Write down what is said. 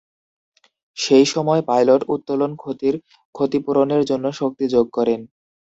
সেই সময় পাইলট উত্তোলন ক্ষতির ক্ষতিপূরণের জন্য শক্তি যোগ করেন।